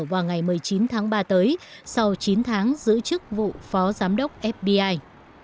vào ngày một mươi chín tháng ba tới sau chín tháng giữ chức vụ phó giám đốc fbi